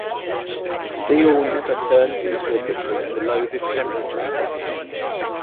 Steel never turns into a liquid below this temperature.